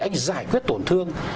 anh giải quyết tổn thương